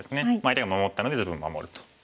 相手が守ったので自分も守ると。